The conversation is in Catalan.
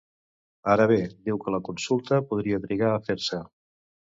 Ara bé, diu que la consulta podria trigar a fer-se.